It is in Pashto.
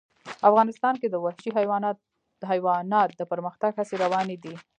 افغانستان کې د وحشي حیوانات د پرمختګ هڅې روانې دي.